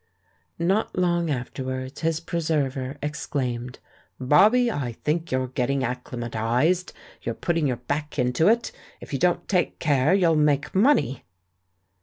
Not long afterwards his preserver exclaimed: "Bobbie, I think you're getting acclimatised. You're putting your back into it — if you don't i;ake care you'll make money